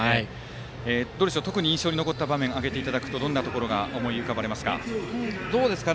特に印象に残った場面を挙げていただくとどんなところが思い浮かばれますか。